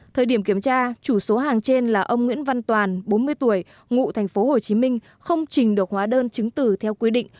thời điểm kiểm tra chủ số hàng trên là ông nguyễn văn toàn bốn mươi tuổi ngụ thành phố hồ chí minh không trình được hóa đơn chứng từ theo quy định